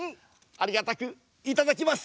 ありがたくいただきます！